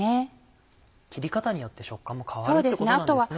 切り方によって食感も変わるってことなんですね。